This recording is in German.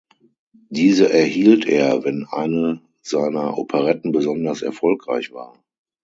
Diese erhielt er, wenn eine seiner Operetten besonders erfolgreich war.